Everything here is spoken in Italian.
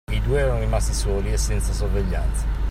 I due erano rimasti soli e senza sorveglianza.